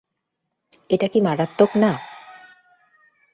এটা কি মারাত্মক না?